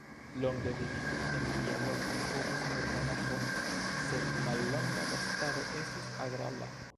Longe vivi en tia loko povus nur monaĥo, sed mallonga gastado estus agrabla.